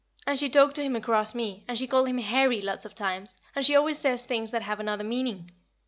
and she talked to him across me, and she called him "Harry" lots of times, and she always says things that have another meaning.